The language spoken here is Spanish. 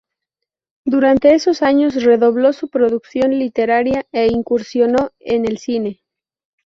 Durante esos años redobló su producción literaria, e incursionó en el cine.